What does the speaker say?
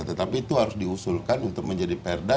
tetapi itu harus diusulkan untuk menjadi perda